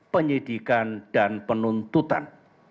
penyidikan dan penuntutan